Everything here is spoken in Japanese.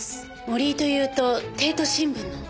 森井というと帝都新聞の？